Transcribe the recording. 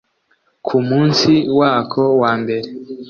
ku munsi wako wa mbere